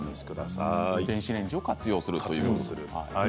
電子レンジを活用するんですね。